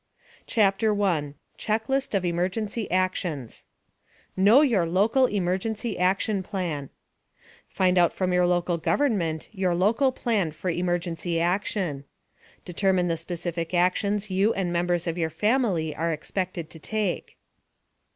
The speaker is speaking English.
CHAPTER 1 CHECKLIST OF EMERGENCY ACTIONS * KNOW YOUR LOCAL EMERGENCY ACTION PLAN * Find out from your local government your local plan for emergency action. * Determine the specific actions you and members of your family are expected to take.